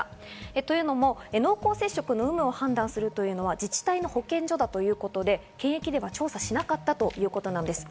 というのも濃厚接触の有無を判断するというのは自治体の保健所だということで、検疫では調査しなかったということなんです。